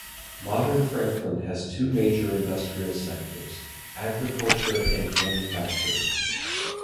Modern Franklin has two major industrial sectors: agriculture and manufacturing.